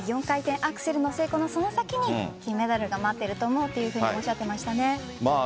４回転アクセルの成功のその先に金メダルが待っていると思うとおっしゃっていましたね。